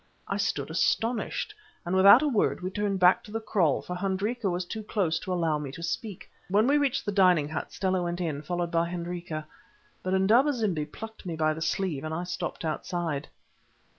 I stood astonished, and without a word we turned back to the kraal, for Hendrika was too close to allow me to speak. When we reached the dining hut Stella went in, followed by Hendrika. But Indaba zimbi plucked me by the sleeve, and I stopped outside.